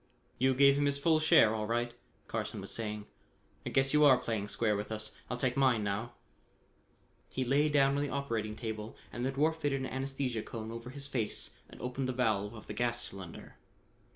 "You gave him his full share all right," Carson was saying. "I guess you are playing square with us. I'll take mine now." He lay down on the operating table and the dwarf fitted an anesthesia cone over his face and opened the valve of the gas cylinder.